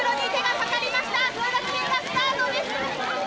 争奪戦がスタートです！